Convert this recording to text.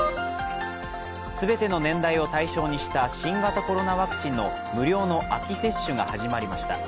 全ての年代を対象にした新型コロナワクチンの無料の秋接種が始まりました。